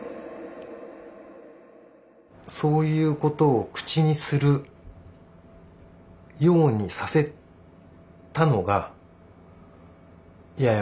そういうことを口にするようにさせたのがいやいや